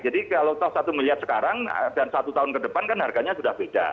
jadi kalau satu miliar sekarang dan satu tahun ke depan kan harganya sudah beda